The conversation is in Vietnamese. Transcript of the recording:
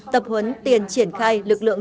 tập huấn tiền triển khai lực lượng